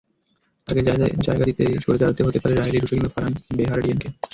তাঁকে জায়গা দিতে সরে দাঁড়াতে হতে পারে রাইলি রুশো কিংবা ফারহান বেহারডিয়েনকে।